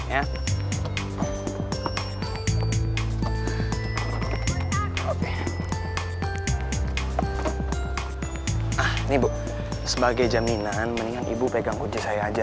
ini bu sebagai jaminan mendingan ibu pegang kunci saya aja